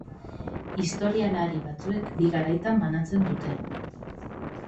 Historialari batzuek bi garaitan banatzen dute.